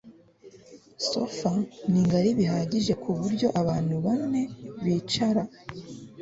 Sofa ni ngari bihagije kuburyo abantu bane bicara